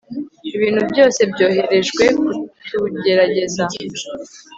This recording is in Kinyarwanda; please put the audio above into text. ibintu byose byoherejwe kutugerageza